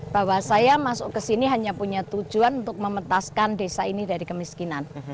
bahwa saya masuk ke sini hanya punya tujuan untuk memetaskan desa ini dari kemiskinan